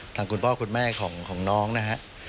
คุณพ่อคุณแม่ของน้องนะฮะ